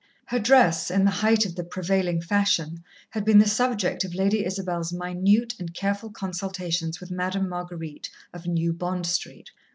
Her dress, in the height of the prevailing fashion, had been the subject of Lady Isabel's minute and careful consultations with Madame Marguerite of New Bond Street.